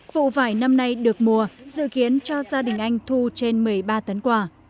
vụ vải năm nay được mùa dự kiến cho gia đình anh thu trên một mươi ba tấn quả